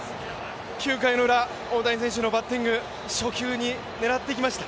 ９回のウラ、大谷選手のバッティング、初球に狙っていきました